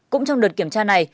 cũng trong đợt kiểm tra này